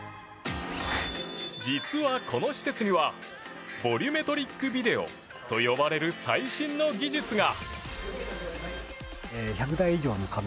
実はこの施設にはボリュメトリックビデオと呼ばれる最新の技術が！